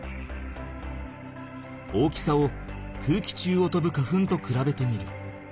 大きさを空気中をとぶ花粉とくらべてみる。